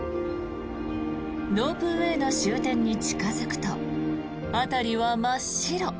ロープウェーの終点に近付くと辺りは真っ白。